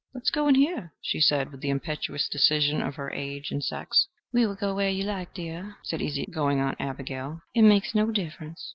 "Let's go in here," she said with the impetuous decision of her age and sex. "We will go where you like, dear," said easy going Aunt Abigail. "It makes no difference."